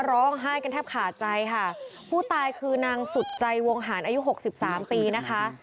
ร้องไห้กันแทบขาดใจค่ะผู้ตายคือนางสุดใจวงหารอายุหกสิบสามปีนะคะ